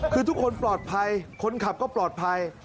คือทุกคนปลอดภัยคนขับก็ปลอดภัย